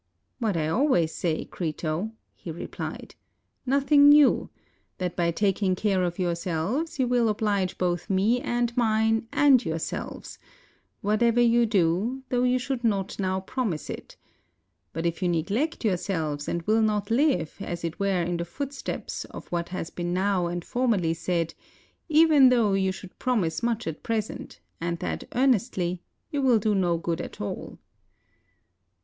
"What I always say, Crito," he rephed, "nothing new; that by taking care of yourselves you will oblige both me and mine, and yourselves, whatever you do, though you should not now promise it ; but if you neglect yourselves and will not live, as it were in the footsteps of what has been now and formerly said, even though you should promise much at present, and that earnestly, you will do no good at all."